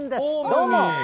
どうも。